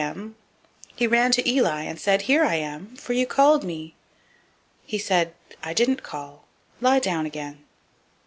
003:005 He ran to Eli, and said, Here am I; for you called me. He said, I didn't call; lie down again.